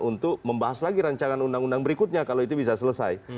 untuk membahas lagi rancangan undang undang berikutnya kalau itu bisa selesai